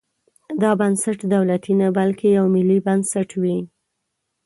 دا بنسټ دولتي نه بلکې یو ملي بنسټ وي.